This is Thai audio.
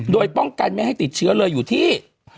โดยป้องกันไม่ให้ติดเชื้อเลยอยู่ที่